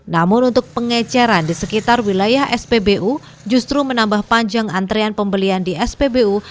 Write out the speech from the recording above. namun untuk pengeceran di sekitar wilayah spbu justru menambah panjang antrean pembelian di spbu